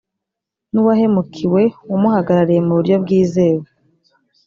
n uwahemukiwe umuhagarariye mu buryo bwizewe